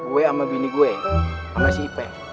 gue sama bini gue sama si ipe